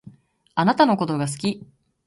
あなたのことが好き。